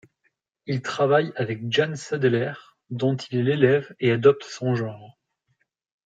Il travaille avec Jan Sadeler, dont il est l'élève et adopte son genre.